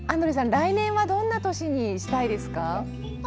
来年はどんな年にしたいですか？